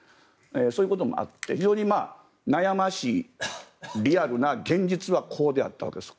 そういうこともあって非常に悩ましいリアルな現実はこうであったわけです。